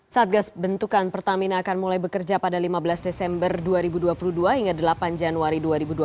satgas bentukan pertamina akan mulai bekerja pada lima belas desember dua ribu dua puluh dua hingga delapan januari dua ribu dua puluh